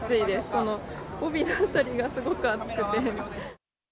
この帯のあたりがすごく暑くて。